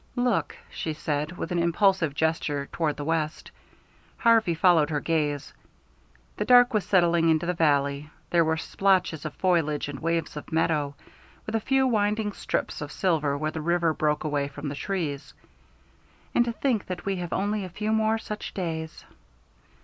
"Look," she said, with an impulsive gesture toward the west. Harvey followed her gaze. The dark was settling into the valley. There were splotches of foliage and waves of meadow, with a few winding strips of silver where the river broke away from the trees. "And to think that we have only a few more such days."